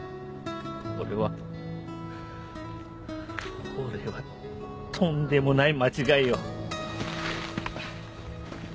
俺は俺はとんでもない間違いを。